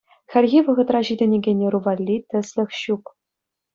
Хальхи вӑхӑтра ҫитӗнекен ӑру валли тӗслӗх ҫук.